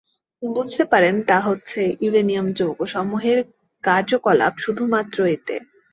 বুঝতে পারেন তা হচ্ছেঃ ইউরেনিয়াম যৌগ সমূহের কার্যকলাপ শুধুমাত্র এতে